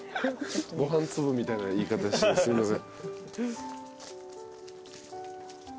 ご飯粒みたいな言い方してすいません。